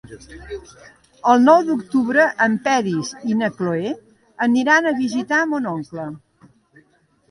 El nou d'octubre en Peris i na Cloè aniran a visitar mon oncle.